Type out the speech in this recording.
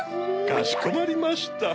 かしこまりました。